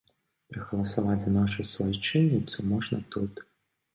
Прагаласаваць за нашай суайчынніцу можна тут.